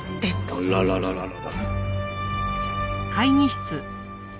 あららららら。